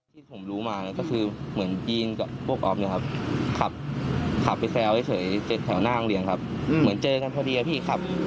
ตอนนี้เขาก็จะทำตัดออกไปสินาที่เขาเริ่มเปิดก่อนแล้วครับ